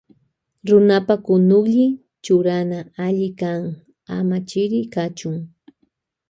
Runapa kunuklli churana alli kan ama chiri kachun.